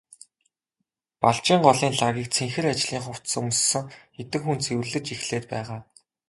Балжийн голын лагийг цэнхэр ажлын хувцас өмссөн хэдэн хүн цэвэрлэж эхлээд байгаа.